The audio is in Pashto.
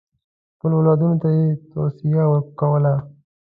خپلو اولادونو ته یې توصیه کوله.